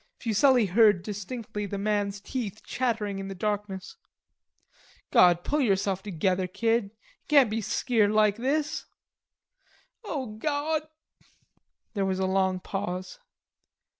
Fuselli heard distinctly the man's teeth chattering in the darkness. "God, pull yerself together, kid. You can't be skeered like this." "O God." There was a long pause.